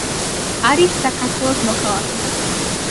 არის საქართველოს მოქალაქე.